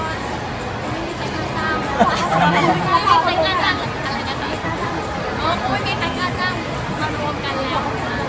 กลายเป็นเราเสียหายซึ่งเราไม่ได้มาเตียงงาน